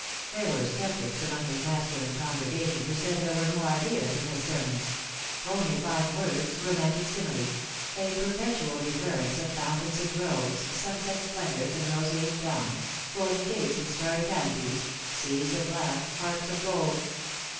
There were sceptics among his masculine congregation who said there were no ideas in his sermons ; only fine words, romantic similes a perpetual recurrence of fountains and groves, sunset splendours and roseate dawns, golden gates and starry canopies, seas of glass, harps of gold.